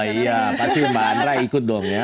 iya pasti mbak andra ikut dong ya